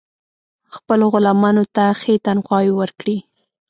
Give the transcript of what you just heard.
خپلو غلامانو ته ښې تنخواوې ورکړي.